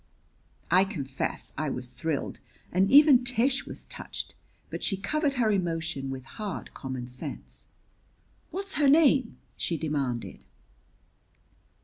I confess I was thrilled. And even Tish was touched; but she covered her emotion with hard common sense. "What's her name?" she demanded.